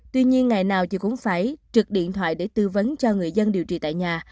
tuy nhiên ngày nào chị cũng phải trực điện thoại để tư vấn cho người dân điều trị tại nhà